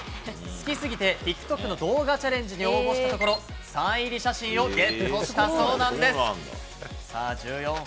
好き過ぎてＴｉｋＴｏｋの動画チャレンジに応募したところ、サイン入り写真をゲットしたそうなんです。